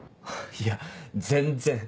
いや全然！